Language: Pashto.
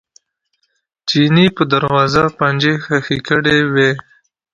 چیني په دروازه پنجې ښخې کړې وې.